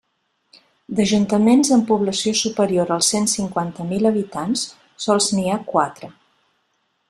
D'ajuntaments amb població superior als cent cinquanta mil habitants, sols n'hi ha quatre.